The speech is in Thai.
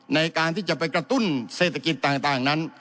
ในการที่จะไปกระตุ้นเศรษฐกิจต่างนั้น